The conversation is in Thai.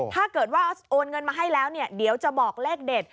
ถ้าเกิดว่าโอนเงินมาให้แล้วเนี่ยเดี๋ยวจะบอกเลขเด็ด